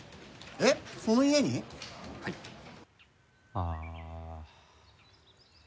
ああ。